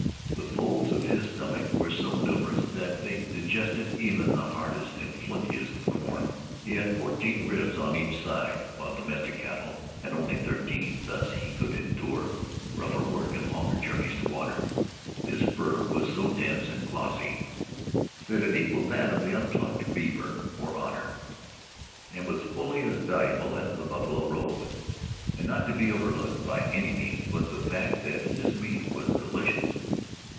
The folds of his stomach were so numerous that they digested even the hardest and flintiest of corn. He had fourteen ribs on each side, while domestic cattle had only thirteen; thus he could endure rougher work and longer journeys to water. His fur was so dense and glossy that it equaled that of the unplucked beaver or otter, and was fully as valuable as the buffalo robe. And not to be overlooked by any means was the fact that his meat was delicious.